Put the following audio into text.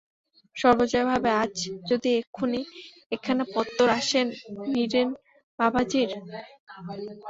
সর্বজয়া ভাবে-আজ যদি এখখুনি একখানা পত্তর আসে নীরেন বাবাজীর?